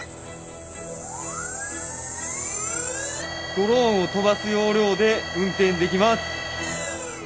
ドローンを飛ばす要領で運転できます。